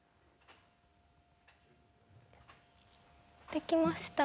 できました。